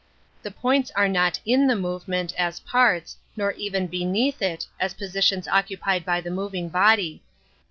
The points are not in the movement, as parts, nor even beneath it, as positions occupied by the moving body.